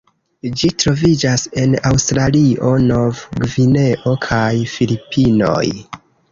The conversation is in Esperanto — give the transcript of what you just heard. Ĝi troviĝas en Aŭstralio, Nov-Gvineo kaj Filipinoj.